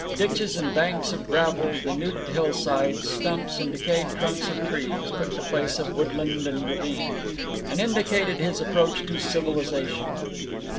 Ditches and banks of gravel, denuded hillsides, stumps, and decayed trunks of trees, took the place of woodland and ravine, and indicated his approach to civilization.